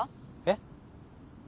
えっ？